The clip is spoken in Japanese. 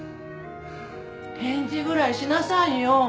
返事ぐらいしなさいよ。